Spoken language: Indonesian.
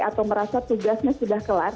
atau merasa tugasnya sudah kelar